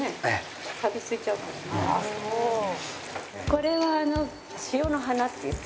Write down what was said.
これはあの塩の花っていうか。